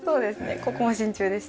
ここも真鍮でした。